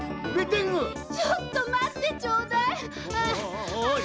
ちょっとまってちょうだい！